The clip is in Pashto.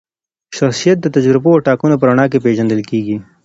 شخصیت د تجربو او ټاکنو په رڼا کي پیژندل کیږي.